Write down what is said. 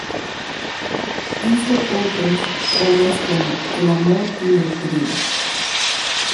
Hizo otros obras como "El amor y la intriga".